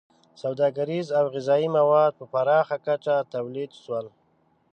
• سوداګریز او غذایي مواد په پراخه کچه تولید شول.